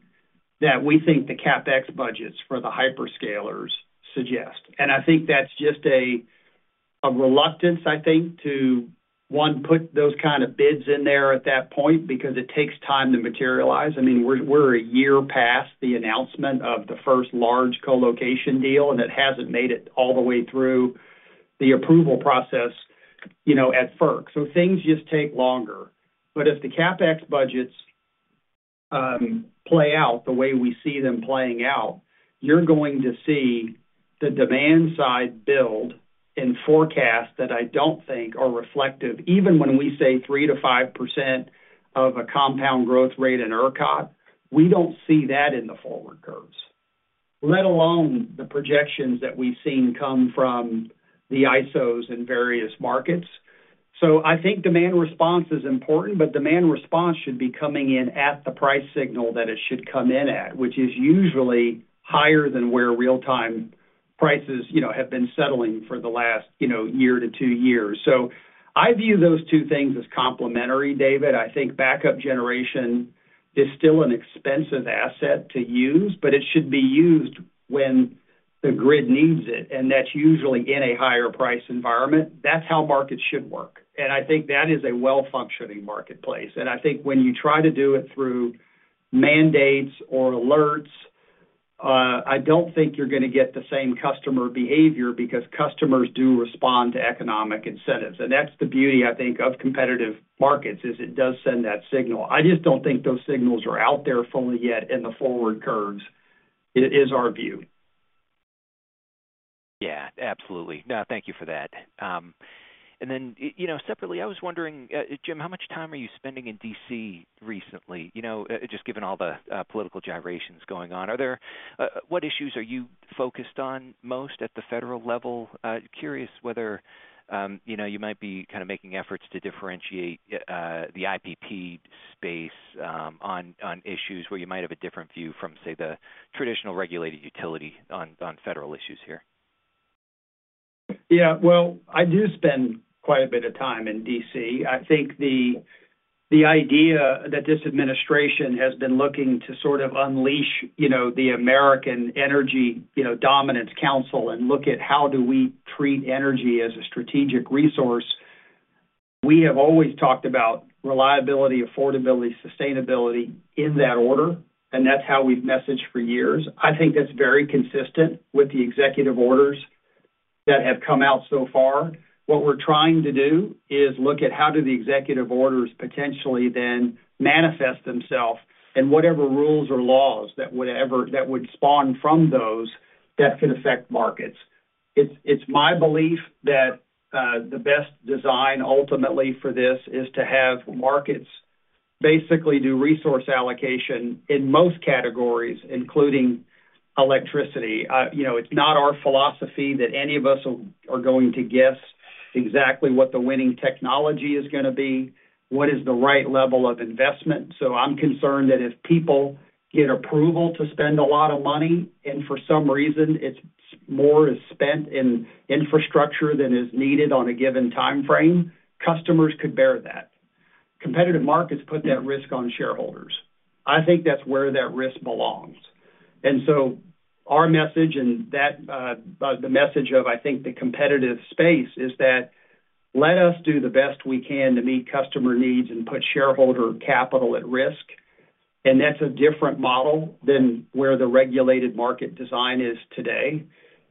[SPEAKER 3] that we think the CapEx budgets for the hyperscalers suggest. I think that's just a reluctance, I think, to, one, put those kind of bids in there at that point because it takes time to materialize. I mean, we're a year past the announcement of the first large colocation deal, and it has not made it all the way through the approval process at FERC. Things just take longer. If the CapEx budgets play out the way we see them playing out, you're going to see the demand side build and forecast that I do not think are reflective. Even when we say 3%-5% of a compound growth rate in ERCOT, we don't see that in the forward curves, let alone the projections that we've seen come from the ISOs in various markets. I think demand response is important, but demand response should be coming in at the price signal that it should come in at, which is usually higher than where real-time prices have been settling for the last year to two years. I view those two things as complementary, David. I think backup generation is still an expensive asset to use, but it should be used when the grid needs it. That's usually in a higher price environment. That's how markets should work. I think that is a well-functioning marketplace. I think when you try to do it through mandates or alerts, I do not think you are going to get the same customer behavior because customers do respond to economic incentives. That is the beauty, I think, of competitive markets, as it does send that signal. I just do not think those signals are out there fully yet in the forward curves, is our view.
[SPEAKER 10] Yeah. Absolutely. No, thank you for that. Then separately, I was wondering, Jim, how much time are you spending in D.C. recently, just given all the political gyrations going on? What issues are you focused on most at the federal level? Curious whether you might be kind of making efforts to differentiate the IPP space on issues where you might have a different view from, say, the traditional regulated utility on federal issues here.
[SPEAKER 3] Yeah. I do spend quite a bit of time in D.C. I think the idea that this administration has been looking to sort of unleash the American Energy Dominance Council and look at how do we treat energy as a strategic resource. We have always talked about reliability, affordability, sustainability in that order. That is how we've messaged for years. I think that is very consistent with the executive orders that have come out so far. What we're trying to do is look at how do the executive orders potentially then manifest themselves and whatever rules or laws that would spawn from those that could affect markets. It's my belief that the best design ultimately for this is to have markets basically do resource allocation in most categories, including electricity. It's not our philosophy that any of us are going to guess exactly what the winning technology is going to be, what is the right level of investment. I'm concerned that if people get approval to spend a lot of money and for some reason more is spent in infrastructure than is needed on a given timeframe, customers could bear that. Competitive markets put that risk on shareholders. I think that's where that risk belongs. Our message and the message of, I think, the competitive space is that let us do the best we can to meet customer needs and put shareholder capital at risk. That's a different model than where the regulated market design is today.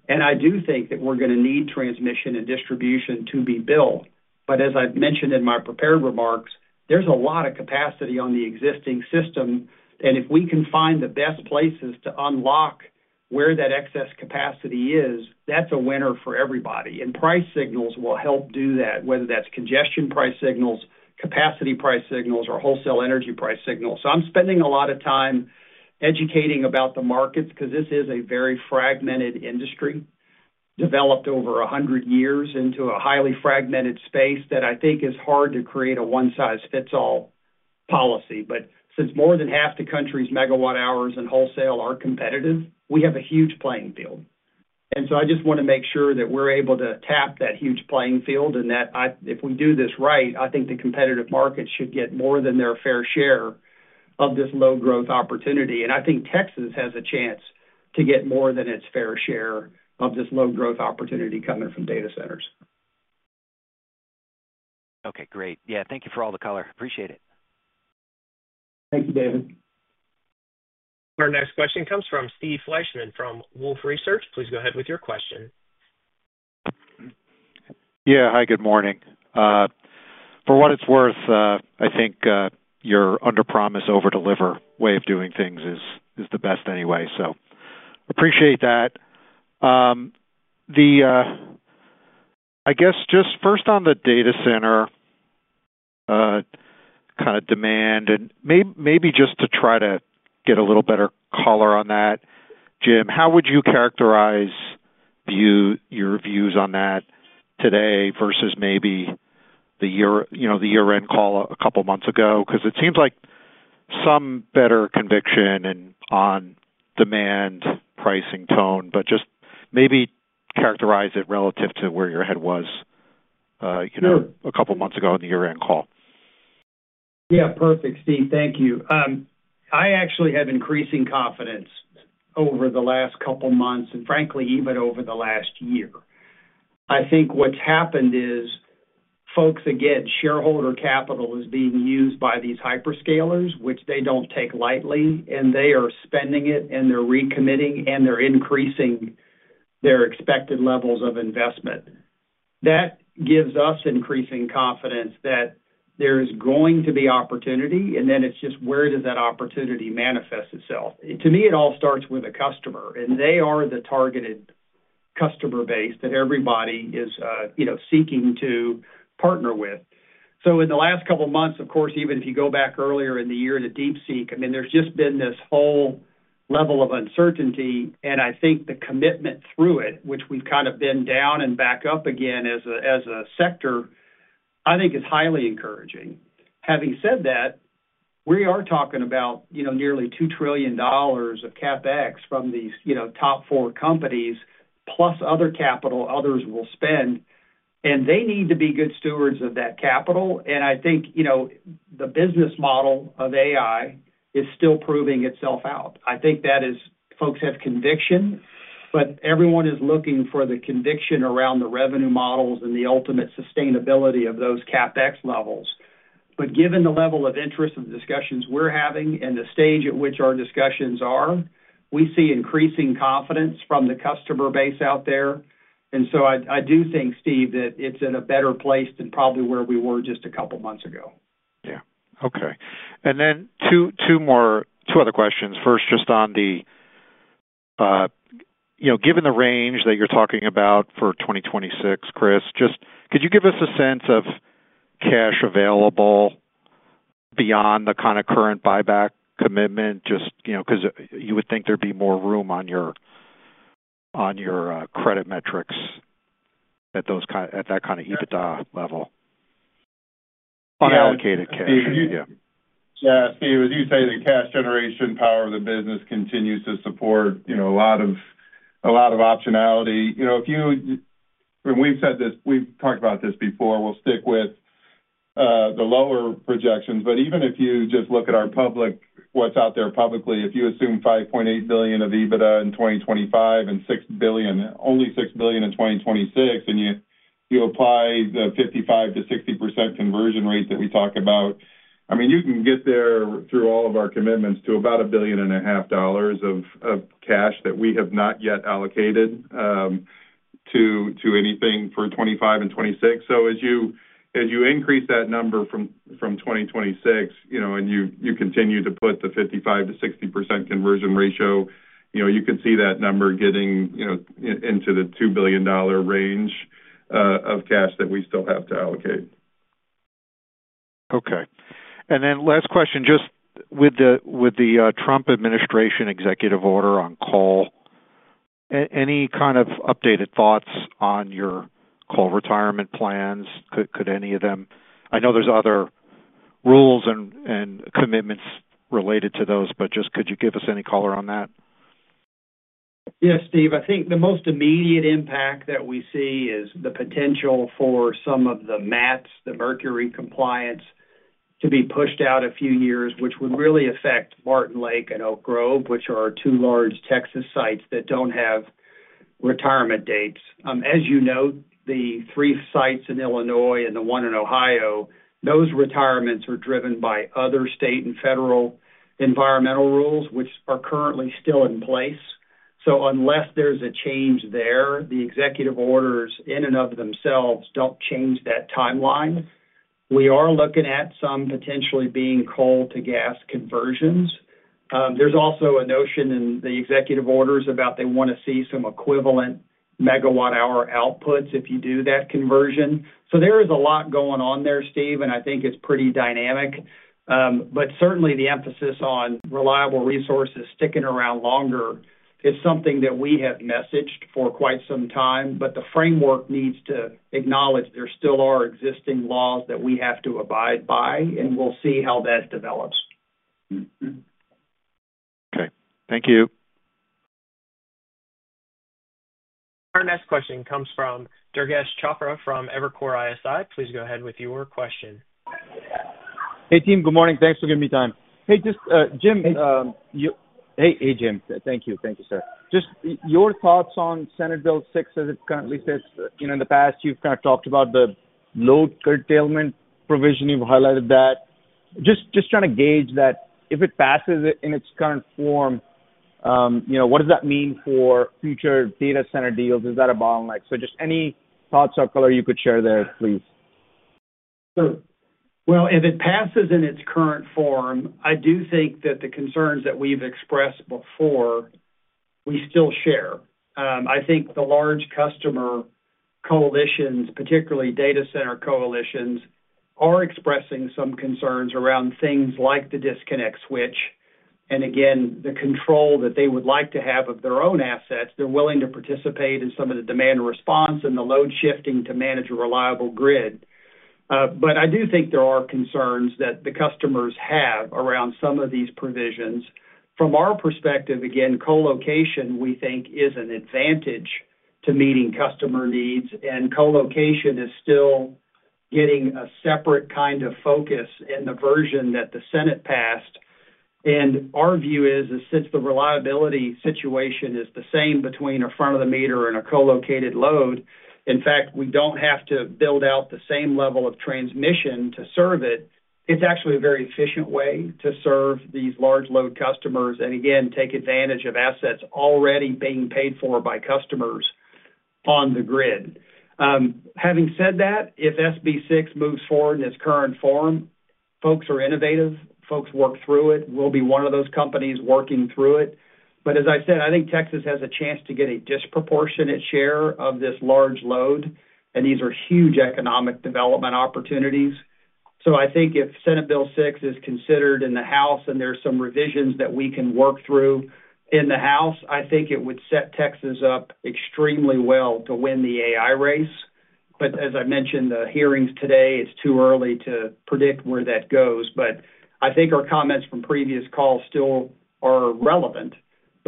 [SPEAKER 3] I do think that we're going to need transmission and distribution to be built. As I have mentioned in my prepared remarks, there is a lot of capacity on the existing system. If we can find the best places to unlock where that excess capacity is, that is a winner for everybody. Price signals will help do that, whether that is congestion price signals, capacity price signals, or wholesale energy price signals. I am spending a lot of time educating about the markets because this is a very fragmented industry developed over 100 years into a highly fragmented space that I think is hard to create a one-size-fits-all policy. Since more than half the country's megawatt hours and wholesale are competitive, we have a huge playing field. I just want to make sure that we're able to tap that huge playing field and that if we do this right, I think the competitive markets should get more than their fair share of this low-growth opportunity. I think Texas has a chance to get more than its fair share of this low-growth opportunity coming from data centers.
[SPEAKER 10] Okay. Great. Yeah. Thank you for all the color. Appreciate it.
[SPEAKER 3] Thank you, David.
[SPEAKER 1] Our next question comes from Steve Fleishman from Wolfe Research. Please go ahead with your question.
[SPEAKER 11] Yeah. Hi, good morning. For what it's worth, I think your under-promise, over-deliver way of doing things is the best anyway. So appreciate that. I guess just first on the data center kind of demand and maybe just to try to get a little better color on that, Jim, how would you characterize your views on that today versus maybe the year-end call a couple of months ago? Because it seems like some better conviction and on-demand pricing tone, but just maybe characterize it relative to where your head was a couple of months ago on the year-end call.
[SPEAKER 3] Yeah. Perfect, Steve. Thank you. I actually have increasing confidence over the last couple of months and frankly, even over the last year. I think what's happened is folks, again, shareholder capital is being used by these hyperscalers, which they don't take lightly, and they are spending it, and they're recommitting, and they're increasing their expected levels of investment. That gives us increasing confidence that there is going to be opportunity, and then it's just where does that opportunity manifest itself. To me, it all starts with a customer, and they are the targeted customer base that everybody is seeking to partner with. In the last couple of months, of course, even if you go back earlier in the year to DeepSeek, I mean, there's just been this whole level of uncertainty. I think the commitment through it, which we've kind of been down and back up again as a sector, I think is highly encouraging. Having said that, we are talking about nearly $2 trillion of CapEx from these top four companies, plus other capital others will spend. They need to be good stewards of that capital. I think the business model of AI is still proving itself out. I think that folks have conviction, but everyone is looking for the conviction around the revenue models and the ultimate sustainability of those CapEx levels. Given the level of interest and the discussions we're having and the stage at which our discussions are, we see increasing confidence from the customer base out there. I do think, Steve, that it's in a better place than probably where we were just a couple of months ago.
[SPEAKER 11] Yeah. Okay. Two other questions. First, just on the given the range that you're talking about for 2026, Chris, could you give us a sense of cash available beyond the kind of current buyback commitment just because you would think there'd be more room on your credit metrics at that kind of EBITDA level on allocated cash? Yeah. Yeah.
[SPEAKER 4] Steve, as you say, the cash generation power of the business continues to support a lot of optionality. If you—and we've said this, we've talked about this before. We'll stick with the lower projections. Even if you just look at our public, what's out there publicly, if you assume $5.8 billion of EBITDA in 2025 and only $6 billion in 2026, and you apply the 55%-60% conversion rate that we talk about, I mean, you can get there through all of our commitments to about $1.5 billion of cash that we have not yet allocated to anything for 2025 and 2026. As you increase that number from 2026 and you continue to put the 55%-60% conversion ratio, you could see that number getting into the $2 billion range of cash that we still have to allocate.
[SPEAKER 11] Okay. Last question, just with the Trump administration executive order on coal, any kind of updated thoughts on your coal retirement plans? Could any of them—I know there are other rules and commitments related to those, but just could you give us any color on that?
[SPEAKER 3] Yes, Steve. I think the most immediate impact that we see is the potential for some of the MATS, the Mercury Compliance, to be pushed out a few years, which would really affect Martin Lake and Oak Grove, which are two large Texas sites that do not have retirement dates. As you know, the three sites in Illinois and the one in Ohio, those retirements are driven by other state and federal environmental rules, which are currently still in place. Unless there is a change there, the executive orders in and of themselves do not change that timeline. We are looking at some potentially being coal-to-gas conversions. There is also a notion in the executive orders about they want to see some equivalent megawatt hour outputs if you do that conversion. There is a lot going on there, Steve, and I think it is pretty dynamic. Certainly, the emphasis on reliable resources sticking around longer is something that we have messaged for quite some time. The framework needs to acknowledge there still are existing laws that we have to abide by, and we will see how that develops.
[SPEAKER 11] Okay. Thank you.
[SPEAKER 1] Our next question comes from Durgesh Chopra from Evercore ISI. Please go ahead with your question.
[SPEAKER 12] Hey, team. Good morning. Thanks for giving me time. Hey, Jim, you—hey, hey, Jim. Thank you. Thank you, sir. Just your thoughts on Senate Bill 6 as it currently sits? In the past, you've kind of talked about the low curtailment provision. You've highlighted that. Just trying to gauge that, if it passes in its current form, what does that mean for future data center deals? Is that a bottleneck? Just any thoughts or color you could share there, please.
[SPEAKER 3] If it passes in its current form, I do think that the concerns that we've expressed before, we still share. I think the large customer coalitions, particularly data center coalitions, are expressing some concerns around things like the disconnect switch. Again, the control that they would like to have of their own assets, they're willing to participate in some of the demand response and the load shifting to manage a reliable grid. I do think there are concerns that the customers have around some of these provisions. From our perspective, again, co-location, we think, is an advantage to meeting customer needs. Co-location is still getting a separate kind of focus in the version that the Senate passed. Our view is, since the reliability situation is the same between a front-of-the-meter and a co-located load, in fact, we do not have to build out the same level of transmission to serve it. It is actually a very efficient way to serve these large load customers and, again, take advantage of assets already being paid for by customers on the grid. Having said that, if SB 6 moves forward in its current form, folks are innovative. Folks work through it. We will be one of those companies working through it. As I said, I think Texas has a chance to get a disproportionate share of this large load. These are huge economic development opportunities. I think if Senate Bill 6 is considered in the House and there are some revisions that we can work through in the House, I think it would set Texas up extremely well to win the AI race. As I mentioned in the hearings today, it's too early to predict where that goes. I think our comments from previous calls still are relevant.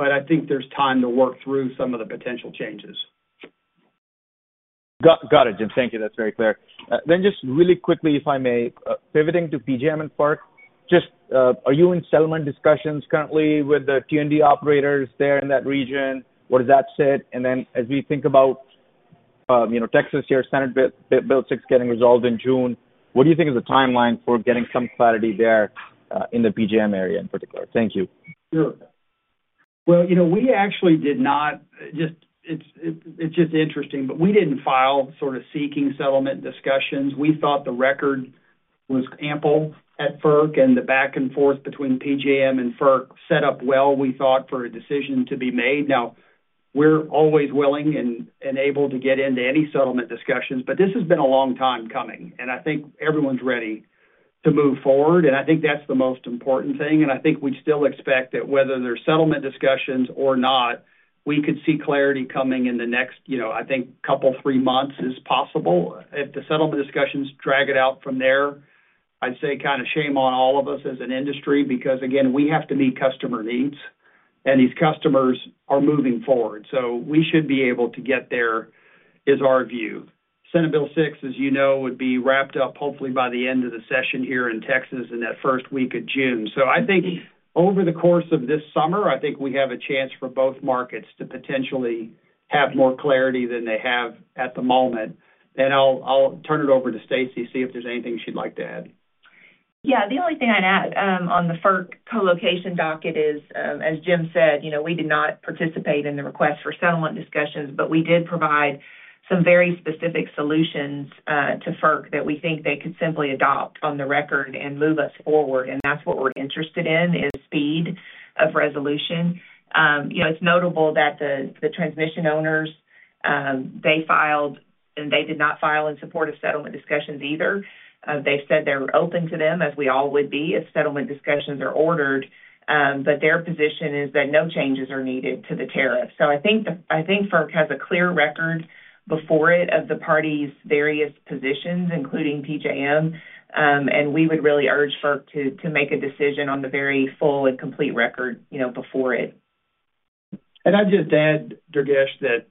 [SPEAKER 3] I think there's time to work through some of the potential changes.
[SPEAKER 12] Got it, Jim. Thank you. That's very clear. Just really quickly, if I may, pivoting to PJM and FERC, are you in settlement discussions currently with the T&D operators there in that region? Where does that sit? As we think about Texas here, Senate Bill 6 getting resolved in June, what do you think is the timeline for getting some clarity there in the PJM area in particular? Thank you.
[SPEAKER 3] Sure. We actually did not—it's just interesting—but we didn't file sort of seeking settlement discussions. We thought the record was ample at FERC, and the back and forth between PJM and FERC set up well, we thought, for a decision to be made. Now, we're always willing and able to get into any settlement discussions, but this has been a long time coming. I think everyone's ready to move forward. I think that's the most important thing. I think we'd still expect that whether there's settlement discussions or not, we could see clarity coming in the next, I think, couple, three months is possible. If the settlement discussions drag it out from there, I'd say kind of shame on all of us as an industry because, again, we have to meet customer needs, and these customers are moving forward. We should be able to get there is our view. Senate Bill 6, as you know, would be wrapped up hopefully by the end of the session here in Texas in that first week of June. I think over the course of this summer, I think we have a chance for both markets to potentially have more clarity than they have at the moment. I'll turn it over to Stacey, see if there's anything she'd like to add.
[SPEAKER 9] Yeah. The only thing I'd add on the FERC co-location docket is, as Jim said, we did not participate in the request for settlement discussions, but we did provide some very specific solutions to FERC that we think they could simply adopt on the record and move us forward. That's what we're interested in. The speed of resolution. It's notable that the transmission owners, they filed, and they did not file in support of settlement discussions either. They've said they're open to them, as we all would be, if settlement discussions are ordered. Their position is that no changes are needed to the tariff. I think FERC has a clear record before it of the parties' various positions, including PJM. We would really urge FERC to make a decision on the very full and complete record before it.
[SPEAKER 3] I'd just add, Durgesh, that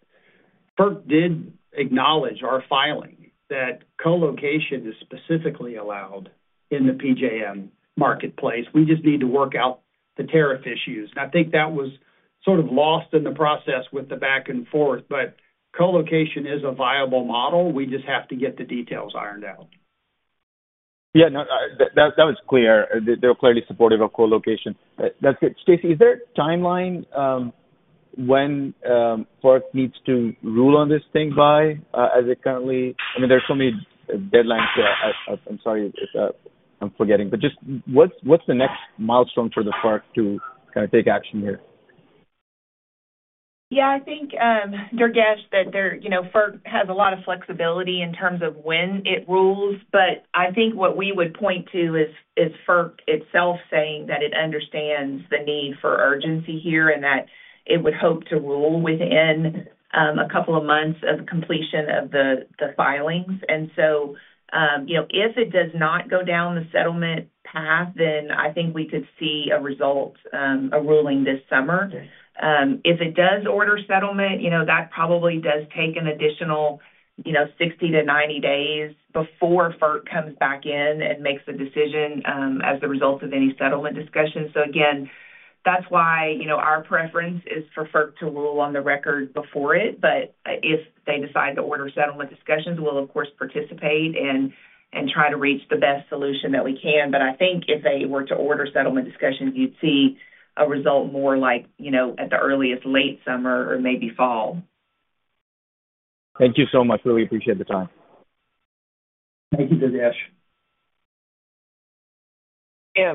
[SPEAKER 3] FERC did acknowledge our filing that co-location is specifically allowed in the PJM marketplace. We just need to work out the tariff issues. I think that was sort of lost in the process with the back and forth. Co-location is a viable model. We just have to get the details ironed out.
[SPEAKER 12] Yeah. No, that was clear. They're clearly supportive of co-location. That's good. Stacey, is there a timeline when FERC needs to rule on this thing by as it currently—I mean, there are so many deadlines here. I'm sorry if I'm forgetting. Just what's the next milestone for the FERC to kind of take action here?
[SPEAKER 9] Yeah. I think, Durgesh, that FERC has a lot of flexibility in terms of when it rules. I think what we would point to is FERC itself saying that it understands the need for urgency here and that it would hope to rule within a couple of months of completion of the filings. If it does not go down the settlement path, then I think we could see a result or ruling this summer. If it does order settlement, that probably does take an additional 60 days-90 days before FERC comes back in and makes a decision as the result of any settlement discussion. That's why our preference is for FERC to rule on the record before it. If they decide to order settlement discussions, we'll, of course, participate and try to reach the best solution that we can. I think if they were to order settlement discussions, you'd see a result more like at the earliest late summer or maybe fall.
[SPEAKER 12] Thank you so much. Really appreciate the time.
[SPEAKER 3] Thank you, Durgesh.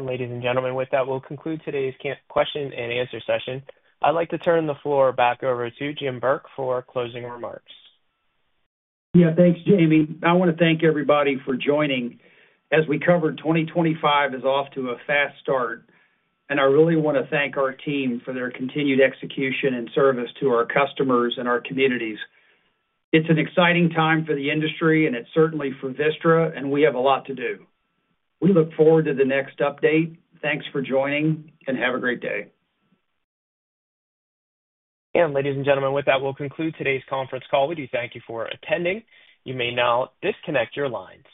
[SPEAKER 1] Ladies and gentlemen, with that, we'll conclude today's Q&A session. I'd like to turn the floor back over to Jim Burke for closing remarks.
[SPEAKER 3] Yeah. Thanks, Jamie. I want to thank everybody for joining. As we covered, 2025 is off to a fast start. I really want to thank our team for their continued execution and service to our customers and our communities. It's an exciting time for the industry, and it is certainly for Vistra, and we have a lot to do. We look forward to the next update. Thanks for joining, and have a great day.
[SPEAKER 1] Ladies and gentlemen, with that, we will conclude today's conference call. We do thank you for attending. You may now disconnect your lines.